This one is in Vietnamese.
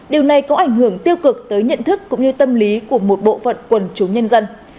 điều này có ảnh hưởng tiêu cực tới nhận thức cũng như tâm lý của một bộ phận quần chúng nhân dân